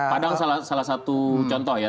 padang salah satu contoh ya